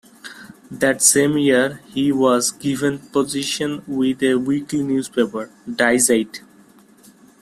That same year, he was given position with a weekly newspaper: Die Zeit.